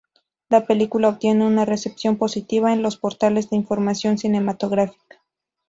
Le película obtiene una recepción positiva en los portales de información cinematográfica.